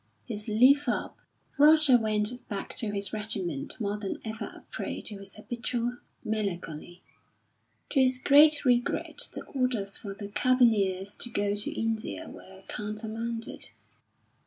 His leave up, Roger went back to his regiment more than ever a prey to his habitual melancholy. To his great regret the orders for the Carbineers to go to India were countermanded.